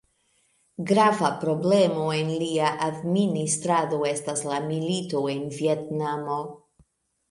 Grava problemo en lia administrado estas la milito en Vjetnamo.